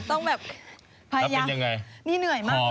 ต้องแบบพยายามนี่เหนื่อยมากนี่เหนื่อยมาก